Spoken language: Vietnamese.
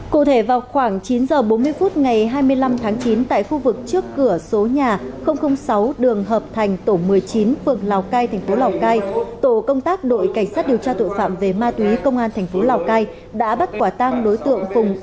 cụ thể vào khoảng chín h bốn mươi phút ngày hai mươi năm tháng chín tại khu vực trước cửa số nhà sáu đường hợp thành tổ một mươi chín phường lào cai thành phố lào cai tổ công tác đội cảnh sát điều tra tội phạm về ma túy công an thành phố lào cai đã bắt quả tang đối tượng phùng